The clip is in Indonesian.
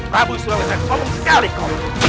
rabu sulawesi tolong sekali kau